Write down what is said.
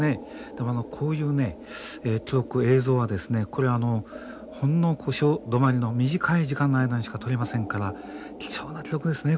でもこういう記録映像はですねほんの小潮止まりの短い時間の間にしか撮れませんから貴重な記録ですね